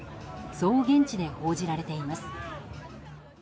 そう現地で報じられています。